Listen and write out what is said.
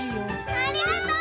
ありがとう！